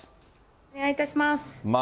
お願いいたします。